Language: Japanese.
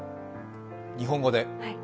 日本語で。